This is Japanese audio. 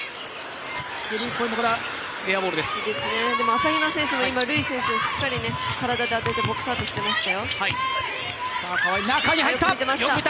朝比奈選手も今、ルイ選手を体で当ててボックスアウトしてましたよ。